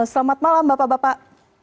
selamat malam bapak bapak